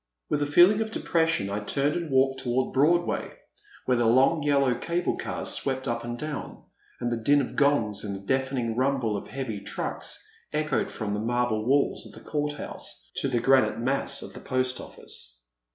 With a feeling of depression I turned and 314 ^ Pleasant Evening. walked toward Broadway, where the long yellow cable cars swept up and down, and the din of gongs and the deafening nimble of heavy trucks echoed from the marble walls of the Court House to the g^nite mass of the Post Office.